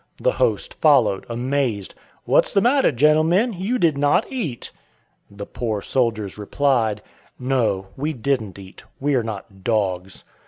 The "host" followed, amazed. "What's the matter, gentlemen? You did not eat." The "poor soldiers" replied: "No, we didn't eat; we are not dogs.